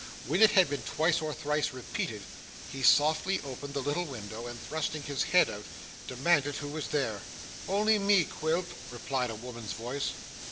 When it had been twice or thrice repeated, he softly opened the little window, and thrusting his head out, demanded who was there. 'Only me, Quilp,' replied a woman's voice.